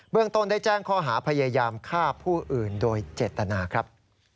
เรื่องต้นได้แจ้งข้อหาพยายามฆ่าผู้อื่นโดยเจตนาครับ